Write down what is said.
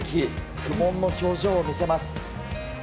苦悶の表情を見せます。